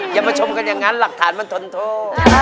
อย่ามาชมกันอย่างนั้นหลักฐานมันทนโทษ